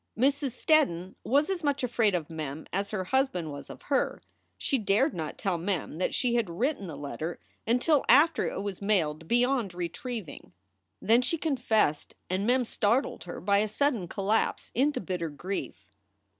Mrs. Steddon was as much afraid of Mem as her husband was of her. She dared not tell Mem that she had written the letter until after it was mailed beyond retrieving. 254 SOULS FOR SALE Then she confessed, and Mem startled her by a sudden collapse into bitter grief.